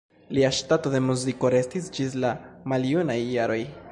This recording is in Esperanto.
Lia ŝtato de muziko restis ĝis la maljunaj jaroj.